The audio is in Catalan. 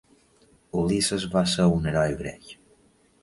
Ulisses va ser un heroi grec.